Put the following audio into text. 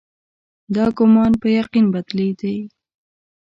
دا ګومان په یقین بدلېدی.